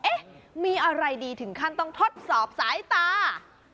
เอ๊ะมีอะไรดีถึงขั้นต้องทดสอบสายตา